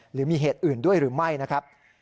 หรือมีเหตุอื่นด้วยหรือไม่นะครับ